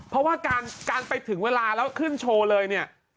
เพราะว่าการไปถึงเวลาแล้วขึ้นโชว์เลยเนี่ย